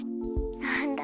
なんだ。